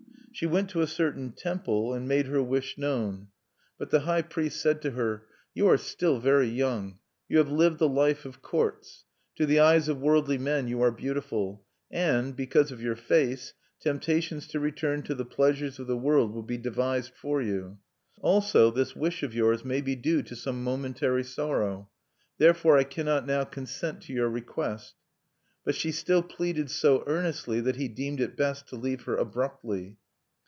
She went to a certain temple, and made her wish known. But the high priest said to her, 'You are still very young. You have lived the life of courts. To the eyes of worldly men you are beautiful; and, because of your face, temptations to return to the pleasures of the world will be devised for you. Also this wish of yours may be due to some momentary sorrow. Therefore, I cannot now consent to your request.' But she still pleaded so earnestly, that he deemed it best to leave her abruptly.